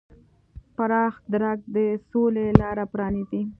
پراخ درک د سولې لاره پرانیزي.